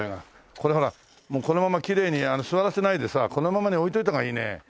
これほらこのままきれいに座らせないでさこのままに置いておいた方がいいね。